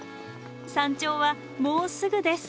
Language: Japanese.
山頂はもうすぐです。